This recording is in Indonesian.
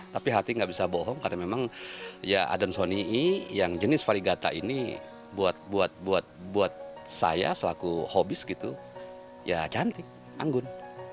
tapi hati nggak bisa bohong karena memang ya adan sonii ⁇ yang jenis varigata ini buat saya selaku hobis gitu ya cantik anggun